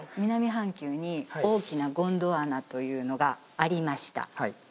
南半球に大きなゴンドワナというのがありました